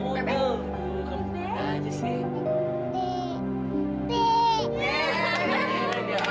terima kasih iya